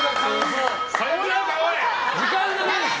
時間がないです。